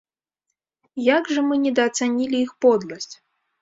Як жа мы недаацанілі іх подласць!